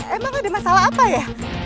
emang ada masalah apa ya